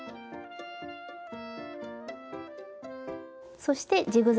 そしてジグザグ